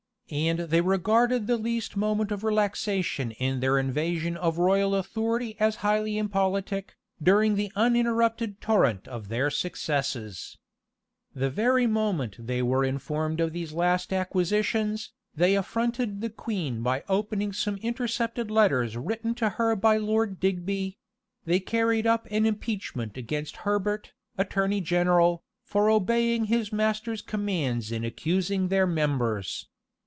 And they regarded the least moment of relaxation in their invasion of royal authority as highly impolitic, during the uninterrupted torrent of their successes. The very moment they were informed of these last acquisitions, they affronted the queen by opening some intercepted letters written to her by Lord Digby: they carried up an impeachment against Herbert, attorney general, for obeying his master's commands in accusing their members.